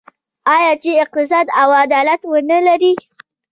آیا چې اقتصاد او عدالت ونلري؟